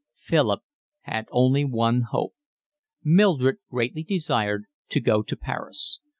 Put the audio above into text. Philip had only one hope. Mildred greatly desired to go to Paris.